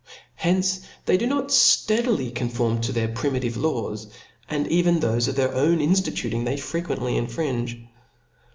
Hence they do not fteadily conform to their primitive laws; and even thofe of their owa inftituting they frequently infringe.